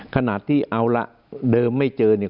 ขนาดที่เอาละเดิมไม่เจอเนี่ย